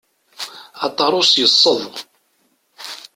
Aṭarus yesseḍ.